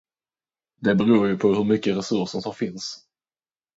Det beror ju på hur mycket resurser som finns.